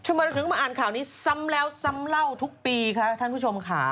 ทำไมถึงมาอ่านข่าวนี้ซ้ำแล้วซ้ำเล่าทุกปีคะท่านผู้ชมค่ะ